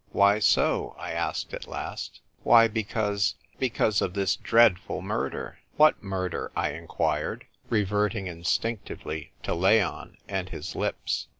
" Why so ?" I asked at last. " Why, because — because of this dreadful murder! " "What murder?" I inquired, reverting instinctively to Leon and his lips.